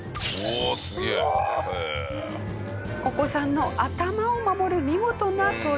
お子さんの頭を守る見事なトラップ。